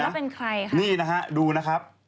อ้าวแล้วเป็นใครครับ